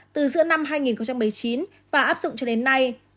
từ giữa năm hai nghìn một mươi chín và áp dụng cho đến nay